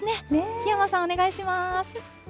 檜山さん、お願いします。